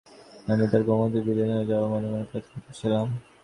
আমি তার এই ক্রমাগত বিলীন হয়ে যাওয়া মনে মনে প্রার্থনা করেছিলাম?